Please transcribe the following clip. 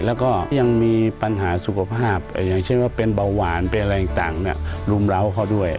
แล้วก็ยังมีปัญหาสุขภาพอย่างเช่นว่าเป็นเบาหวานเป็นอะไรต่างรุมร้าวเขาด้วย